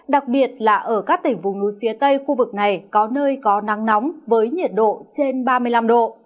đặc biệt là ở các tỉnh vùng núi phía tây khu vực này có nơi có nắng nóng với nhiệt độ trên ba mươi năm độ